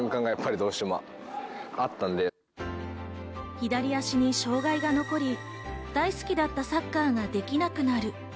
左足に障害が残り、大好きだったサッカーができなくなる。